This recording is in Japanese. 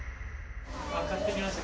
あっ買ってきました。